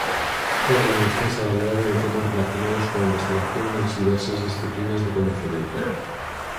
Cobre unha extensa variedade de temas relacionados coa investigación nas diversas disciplinas do coñecemento.